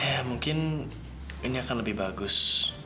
ya mungkin ini akan lebih bagus